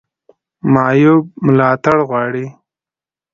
معیوب ملاتړ غواړي